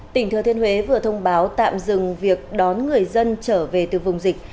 tỉnh thừa thiên huế vừa thông báo tạm dừng việc đón người dân trở về từ vùng dịch